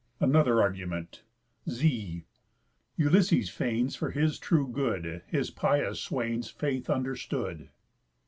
ANOTHER ARGUMENT Ξι̑. Ulysses fains For his true good: His pious swain's Faith understood.